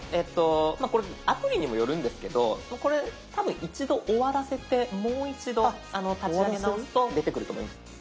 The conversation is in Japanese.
アプリにもよるんですけどこれ多分一度終わらせてもう一度立ち上げ直すと出てくると思います。